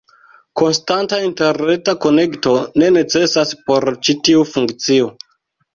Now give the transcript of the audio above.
Konstanta interreta konekto ne necesas por ĉi tiu funkcio.